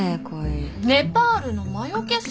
ネパールの魔よけさ。